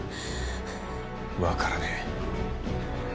わからねえ。